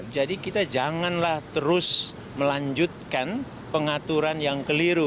jadi kita janganlah terus melanjutkan pengaturan yang keliru